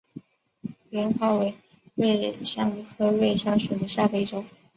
芫花为瑞香科瑞香属下的一个种。